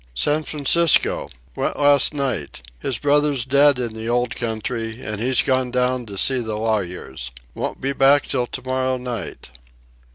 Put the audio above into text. "San Francisco. Went last night. His brother's dead in the old country, and he's gone down to see the lawyers. Won't be back till tomorrow night."